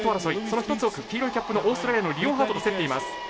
その１つ奥黄色いキャップのオーストラリアのリオンハートと競っています。